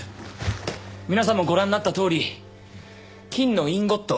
皆さんもご覧になったとおり金のインゴット